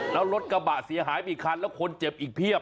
แล้วรถกระบะเสียหายอีกคันแล้วคนเจ็บอีกเพียบ